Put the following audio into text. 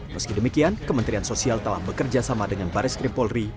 meski demikian kementerian sosial telah bekerja sama dengan baris krim polri